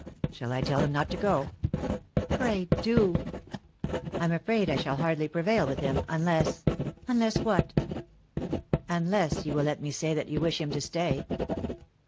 "Shall I tell him not to go?" "Pray do." "I'm afraid I shall hardly prevail with him, un less " "Unless what?" "Unless you will let me say that you wish him to stay."